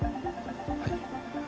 はい。